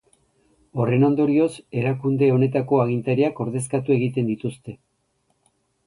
Horren ondorioz erakunde honetako agintariak ordezkatu egiten dituzte.